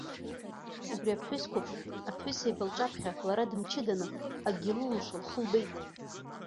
Убри аԥҳәыс қәыԥш, аԥҳәысеиба лҿаԥхьа лара дымчыданы, акгьы лылымшо лхы лбеит.